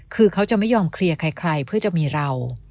คือเขาจะไม่ยอมเคลียร์ใครเพื่อจะมีเรา